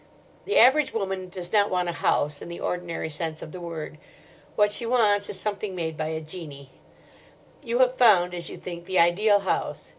The average woman does not want a house, in the ordinary sense of the word. What she wants is something made by a genii. You have found, as you think, the ideal house.